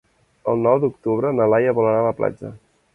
El nou d'octubre na Laia vol anar a la platja.